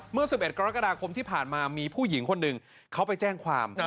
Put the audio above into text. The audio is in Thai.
เมื่อ๑๑กรกฎาคมที่ผ่านมามีผู้หญิงคนหนึ่งเขาไปแจ้งความ